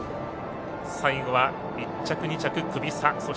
最後は、１着、２着クビ差。